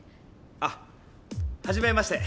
あはじめまして。